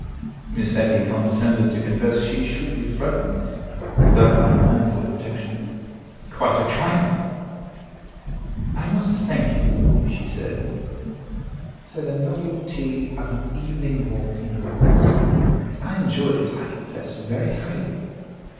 Miss Etty condescended to confess she should be frightened without my manful protection. Quite a triumph! "I must thank you," she said, "for the novelty of an evening walk in the woods. I enjoy it, I confess, very highly.